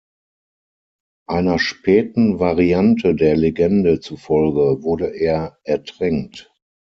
Einer späten Variante der Legende zufolge wurde er ertränkt.